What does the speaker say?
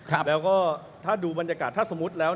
แล้วก็ถ้าดูบรรยากาศถ้าสมมุติแล้ว